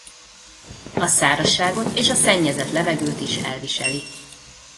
A szárazságot és a szennyezett levegőt is elviseli.